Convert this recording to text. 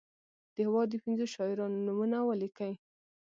د هیواد د پنځو شاعرانو نومونه ولیکي.